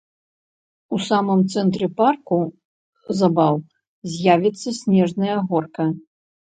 У самым цэнтры парку забаў з'явіцца снежная горка.